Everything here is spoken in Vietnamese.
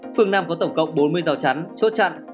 phường năm có tổng cộng bốn mươi rào chắn chốt chặn